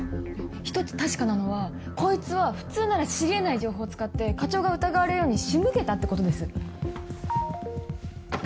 １つ確かなのはこいつは普通なら知り得ない情報を使って課長が疑われるように仕向けたってことです。